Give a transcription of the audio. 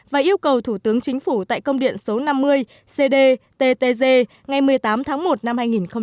và yêu cầu thủ tướng chính phủ tại công điện số năm mươi cd ttg ngày một mươi tám tháng một năm hai nghìn một mươi bảy